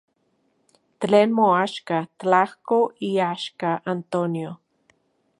Tlen moaxka, tlajko iaxka Antonio.